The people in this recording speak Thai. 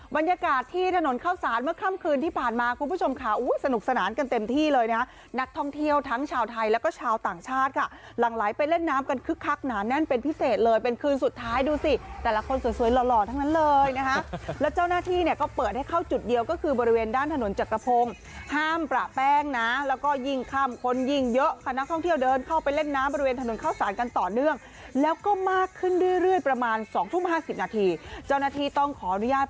บรรยากาศที่ถนนข้าวสานเมื่อค่ำคืนที่ผ่านมาคุณผู้ชมค่ะสนุกสนานกันเต็มที่เลยนะนักท่องเที่ยวทั้งชาวไทยแล้วก็ชาวต่างชาติค่ะหลังไหลไปเล่นน้ำกันคึกคักหนานแน่นเป็นพิเศษเลยเป็นคืนสุดท้ายดูสิแต่ละคนสวยหล่อทั้งนั้นเลยนะครับแล้วเจ้าหน้าที่เนี่ยก็เปิดให้เข้าจุดเดียวก็คือบริเวณด